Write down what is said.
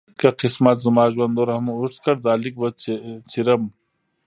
که قسمت زما ژوند نور هم اوږد کړ دا لیک به څېرم.